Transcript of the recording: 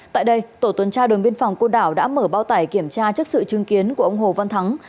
tại đây tổ tuần tra đồn biên phòng cô đảo đã mở bao tải kiểm tra trước sự chứng kiến của ông hồ văn thắng